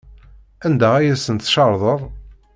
Anda ay asent-tcerḍeḍ?